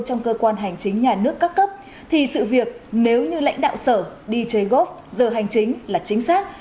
trong cơ quan hành chính nhà nước các cấp thì sự việc nếu như lãnh đạo sở đi chơi gốc giờ hành chính là chính xác